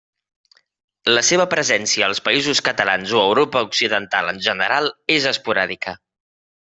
La seva presència als Països Catalans o Europa Occidental en general, és esporàdica.